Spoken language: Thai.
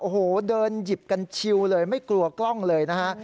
โอ้โหเดินหยิบกันชิวเลยไม่กลัวกล้องเลยนะฮะ